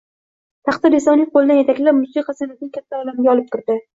Taqdir esa uning qo’lidan yetaklab, musiqa san’atining katta olamiga olib kirdi.